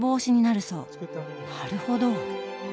なるほど！